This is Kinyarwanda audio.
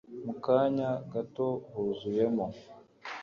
mu kanya gato huzuyemo